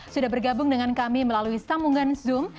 sudah bergabung dengan kami melalui sambungan zoom